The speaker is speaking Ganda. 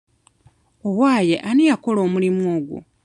Owaaye ani yakola omuli ogwo?